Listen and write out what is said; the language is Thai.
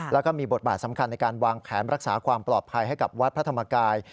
แล้วก็มีบทบาทสำคัญในการวางแผนรักษาความปลอดภัยให้กับวัดพระธรรมกาย